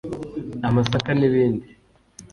amasaka n’ibindi